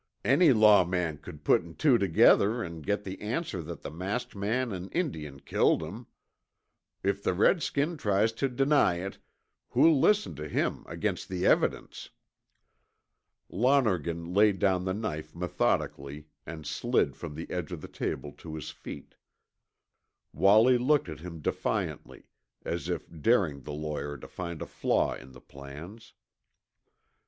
Any law man could put an' two together an' get the answer that the masked man an' Indian killed 'em. If the Redskin tries to deny it, who'll listen to him against the evidence?" Lonergan laid down the knife methodically and slid from the edge of the table to his feet. Wallie looked at him defiantly, as if daring the lawyer to find a flaw in the plans.